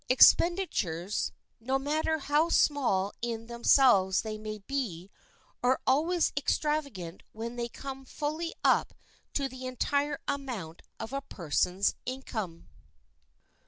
Expenditures, no matter how small in themselves they may be, are always extravagant when they come fully up to the entire amount of a person's income.